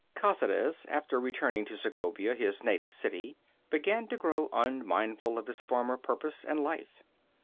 Caceres, after returning to Segovia, his native city, began to grow unmindful of his former purpose and life.